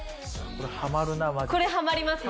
これハマりますね。